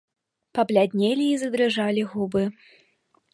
Пабляднелі і задрыжалі губы.